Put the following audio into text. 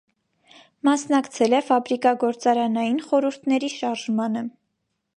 Մասնակցել է ֆաբրիկագործարանային խորհուրդների շարժմանը։